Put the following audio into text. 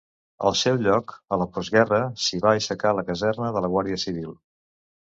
Al seu lloc, a la postguerra, s'hi va aixecar la caserna de la Guàrdia civil.